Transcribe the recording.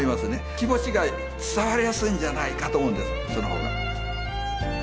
気持ちが伝わりやすいんじゃないかと思うんです